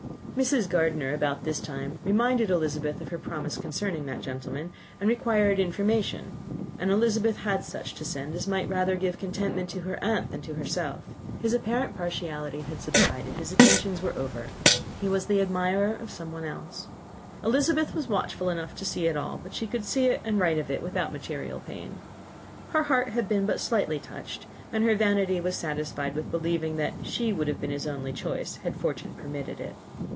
Mrs. Gardiner about this time reminded Elizabeth of her promise concerning that gentleman, and required information; and Elizabeth had such to send as might rather give contentment to her aunt than to herself. His apparent partiality had subsided, his attentions were over, he was the admirer of some one else. Elizabeth was watchful enough to see it all, but she could see it and write of it without material pain. Her heart had been but slightly touched, and her vanity was satisfied with believing that she would have been his only choice, had fortune permitted it.